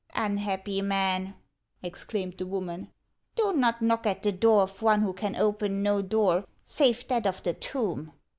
" Unhappy man !" exclaimed the woman, " do not knock at the door of one who can open no door save that of the tomb."